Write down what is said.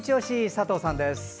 佐藤さんです。